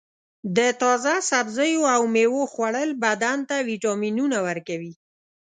د تازه سبزیو او میوو خوړل بدن ته وټامینونه ورکوي.